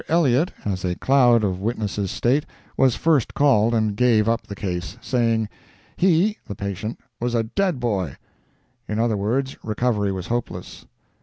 Elliott, as a cloud of witnesses state, was first called, and gave up the case, saying "he (the patient) was a dead boy;" in other words, recovery was hopeless.